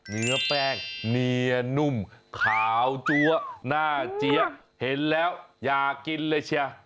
เนื้อแป้งเนียนุ่มขาวจั๊วหน้าเจี๊ยะเห็นแล้วอยากกินเลยเชีย